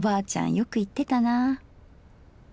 よく言ってたな。